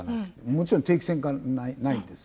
もちろん定期船がないんです。